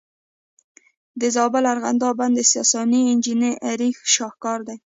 د زابل ارغنداب بند د ساساني انجینرۍ شاهکار دی